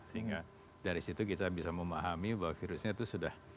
sehingga dari situ kita bisa memahami bahwa virusnya itu sudah